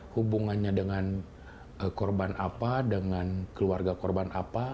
hubungannya dengan korban apa dengan keluarga korban apa